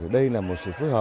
đây là một sự phát triển